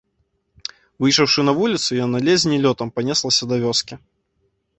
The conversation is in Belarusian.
Выйшаўшы на вуліцу, яна ледзь не лётам панеслася да вёскі.